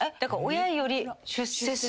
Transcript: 親より出世する。